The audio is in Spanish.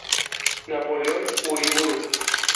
Napoleón Uriburu.